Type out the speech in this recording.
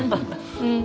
うん。